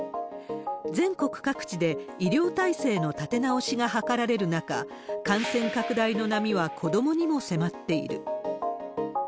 全国各地で医療体制の立て直しが図られる中、感染拡大の波は子どもにも迫っている。